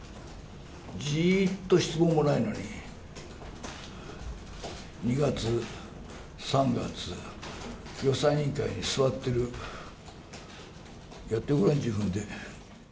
じーっと質問もないのに、２月、３月、予算委員会に座ってる、やってごらん、自分で。